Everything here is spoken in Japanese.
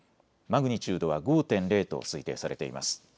マグニチュードは５．０と推定されています。